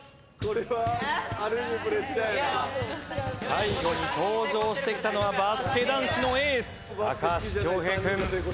最後に登場してきたのはバスケ男子のエース高橋恭平くん。